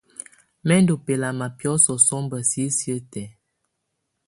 Mɛ ndù bɛlama biɔ́sɔ̀ sɔmba sisiǝ́ tɛ̀á.